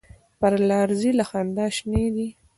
پر لار ځي له خندا شینې دي.